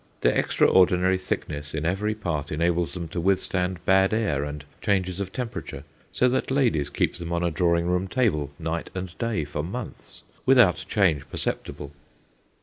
Their extraordinary thickness in every part enables them to withstand bad air and changes of temperature, so that ladies keep them on a drawing room table, night and day, for months, without change perceptible.